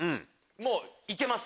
もういけます？